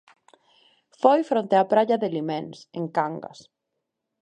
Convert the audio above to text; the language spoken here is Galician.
Foi fronte á praia de Liméns, en Cangas.